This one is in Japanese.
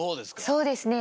そうですね。